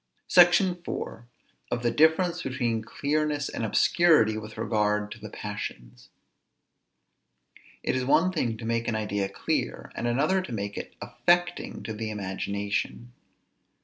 SECTION IV. OF THE DIFFERENCE BETWEEN CLEARNESS AND OBSCURITY WITH REGARD TO THE PASSIONS. It is one thing to make an idea clear, and another to make it affecting to the imagination.